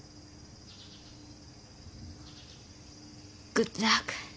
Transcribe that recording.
グッドラック。